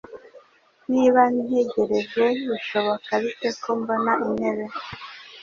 Niba ntegereje, bishoboka bite ko mbona intebe?